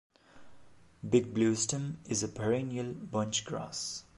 Big bluestem is a perennial bunchgrass.